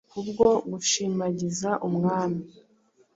Kubwo gushimagiza umwami,